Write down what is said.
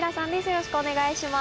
よろしくお願いします。